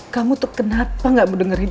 kamu tuh kenapa gak mendengarkan